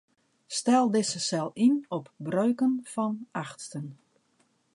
Stel dizze sel yn op breuken fan achtsten.